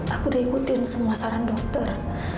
aku udah ikutin semua saran dokter